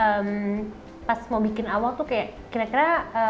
aku agak pas mau bikin awal tuh kira kira